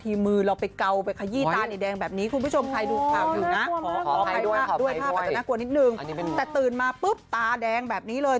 ด้วยภาพอาจจะน่ากลัวนิดนึงแต่ตื่นมาปุ๊บตาแดงแบบนี้เลย